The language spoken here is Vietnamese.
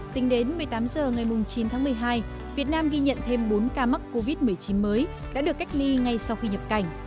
tính đến một mươi tám h ngày chín tháng một mươi hai việt nam ghi nhận thêm bốn ca mắc covid một mươi chín mới đã được cách ly ngay sau khi nhập cảnh